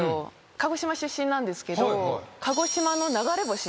鹿児島出身なんですけど。